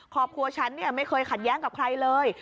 ครอบครัวฉันไม่เคยขัดแย้งกับใครเลย